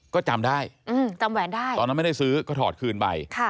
ก็จำได้ตอนนั้นไม่ได้ซื้อก็ถอดคืนไป